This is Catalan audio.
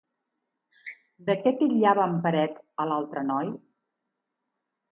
De què titllava en Peret a l'altre noi?